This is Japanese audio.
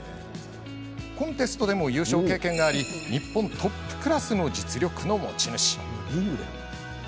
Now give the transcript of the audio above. コンテストでも優勝経験があり日本トップクラスの実力の持ち主。